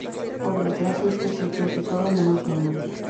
Por desgracia, este sitio es de todo menos normal.